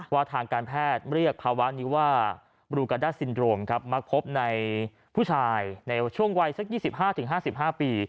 ทางการแพทย์เรียกภาวะนี้ว่าบรูกาด้าซินโดรนครับมาพบในผู้ชายในช่วงวัยสัก๒๕๕๕ปี